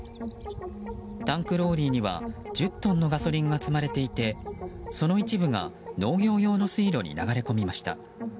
タンクローリーには、１０トンのガソリンが積まれていてその一部が農業用の水路に流れ込みました。